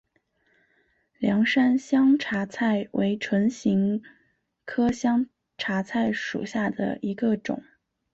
凉山香茶菜为唇形科香茶菜属下的一个种。